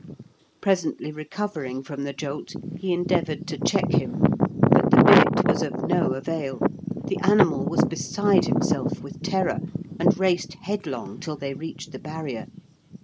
Presently recovering from the jolt, he endeavoured to check him, but the bit was of no avail; the animal was beside himself with terror, and raced headlong till they reached the barrier.